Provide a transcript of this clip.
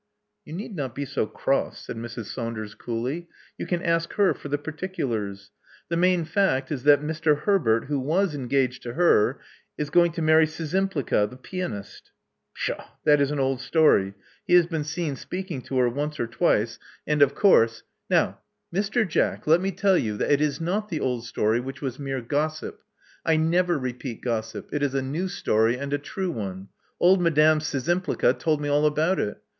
You need not be so cross," said Mrs. Saunders coolly. You can ask her for the particulars. The main fact is that Mr. Herbert, who was engaged to her, is going to marry Szczympliga, the pianist" Pshaw! That is an old story. He has been seen speaking to her once or twice; and of course " 232 Love Among the Artists Now, Mr. Jack, let me tell you that it is not the old story, which was mere gossip. I never repeat gossip. It is a new story, and a true one. Old Madame Szczymplga told me all about it.